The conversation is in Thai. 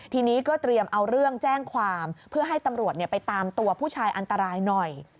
ทีนี้ก็เตรียมเอาเรื่องแจ้งความเพื่อให้ตำรวจไปตามตัวผู้ชายอันตรายหน่อย